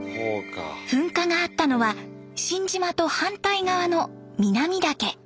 噴火があったのは新島と反対側の南岳。